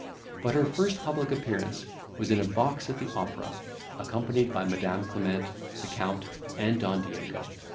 But her first public appearance was in a box at the opera, accompanied by Madam Clement, the Count, and Don Diego.